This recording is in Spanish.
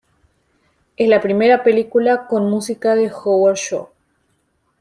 Es la primera película con música de Howard Shore.